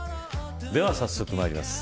では、早速まいります。